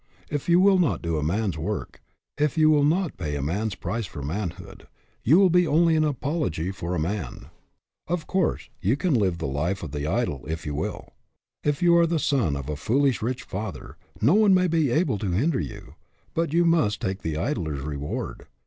If you will not do a man's work, if you will not pay a man's price for manhood, you will be only an apology for a man. Of course, you can live the life of the idle if you will. If you are the son of a foolish rich father, no one may be able to hinder you ; but you must take the idler's reward.